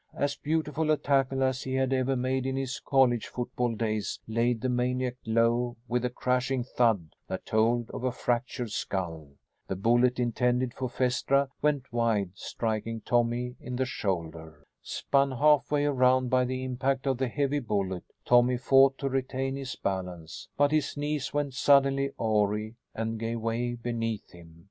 As beautiful a tackle as he had ever made in his college football days laid the maniac low with a crashing thud that told of a fractured skull. The bullet intended for Phaestra went wide, striking Tommy in the shoulder. Spun half way around by the impact of the heavy bullet, Tommy fought to retain his balance. But his knees went suddenly awry and gave way beneath him.